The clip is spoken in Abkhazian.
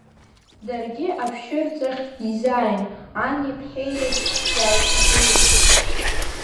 Даргьы ашәшьырҵахь изааин, ани ԥҳаи реиԥш иааикәагылеит.